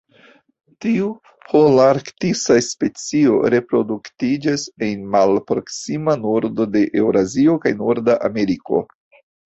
Tiu holarktisa specio reproduktiĝas en malproksima nordo de Eŭrazio kaj Norda Ameriko.